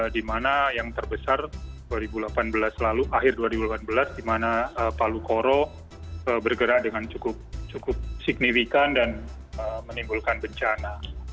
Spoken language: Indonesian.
dimana yang terbesar dua ribu delapan belas lalu akhir dua ribu delapan belas dimana palu korok bergerak dengan cukup signifikan dan menimbulkan bencana